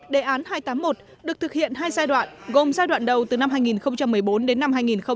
đề án hai trăm tám mươi một được thực hiện hai giai đoạn gồm giai đoạn đầu từ năm hai nghìn một mươi bốn đến năm hai nghìn một mươi năm